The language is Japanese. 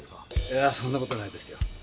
いやそんな事ないですよ。